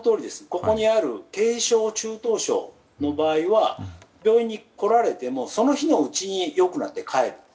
ここにある軽症・中等症の場合は病院に来られてもその日のうちに良くなって帰る。